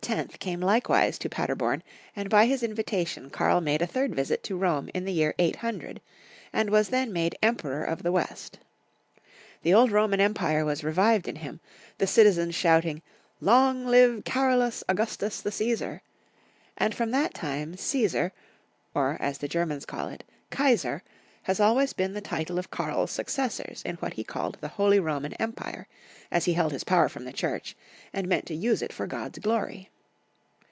came likewise to Paderborn, and by his invitation Karl made a third visit to Rome in the year 800, and was then made Emperor of the West. The old Roman Empire was revived in him, the citizens shouting, " Long live Carolus Augustus the Caesar ;" and from that time Csesar, or, as the Germans call it, Kaisar, has always been the title of Karl's successors in what he called the Holy Ro I man Empire, as he held his power from the Church, 70 Young Folks* Sistory of Q ermany. and meant to use it for God's glory.